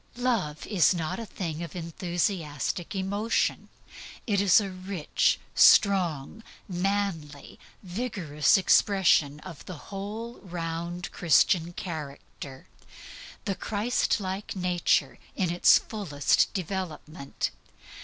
Love is not a thing of enthusiastic emotion. It is a rich, strong, manly, vigorous expression of the whole round Christian character the Christlike nature in its fullest development.